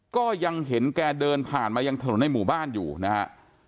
ก็ยังเห็นแกเดินผ่านมายังถนนในหมู่บ้านอยู่นะฮะ